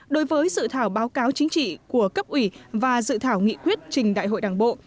đối với dự thảo báo cáo chính trị của cấp ủy và dự thảo nghị quyết trình đại hội đảng bộ